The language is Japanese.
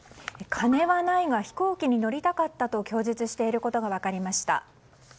金はないが飛行機に乗りたかったと供述していることが分かりました。